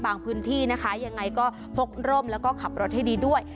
พื้นที่นะคะยังไงก็พกร่มแล้วก็ขับรถให้ดีด้วย